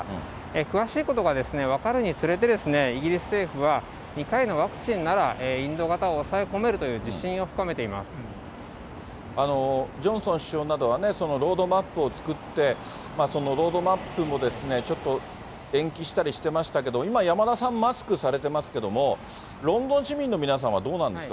詳しいことが分かるにつれて、イギリス政府は２回のワクチンならインド型を抑え込めるという自ジョンソン首相などは、ロードマップを作って、そのロードマップもですね、ちょっと延期したりしてましたけど、今、山田さん、マスクされてますけども、ロンドン市民の皆さんはどうなんですか。